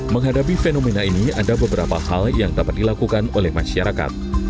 menghadapi fenomena ini ada beberapa hal yang dapat dilakukan oleh masyarakat